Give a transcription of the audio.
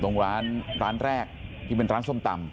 ตรงร้านร้านแรกที่เป็นร้านส้มตำ